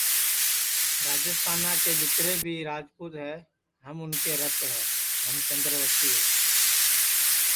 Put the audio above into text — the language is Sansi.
ہم راجپوت ہے اور جیتر بھی راجیستانا کے راجپوت ہے ہم اُن کے رت ہے ہم چندوسی ہے